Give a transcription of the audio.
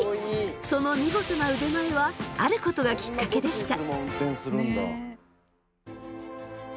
その見事な腕前はあることがきっかけでした。